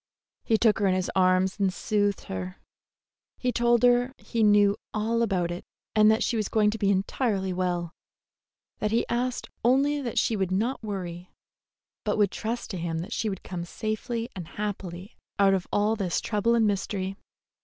He took her in his arms and soothed her. He told her he knew all about it, and that she was going to be entirely well; that he asked only that she would not worry, but would trust to him that she would come safely and happily out of all this trouble and mystery.